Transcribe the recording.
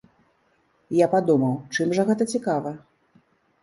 Я падумаў, чым жа гэта цікава?